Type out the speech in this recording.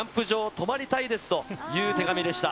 泊まりたいですという手紙でした。